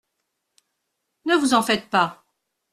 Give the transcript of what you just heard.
Ne vous en faites pas !